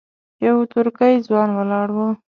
یو ترکی ځوان ولاړ و.